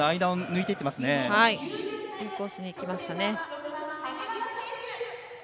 いいコースにいきました。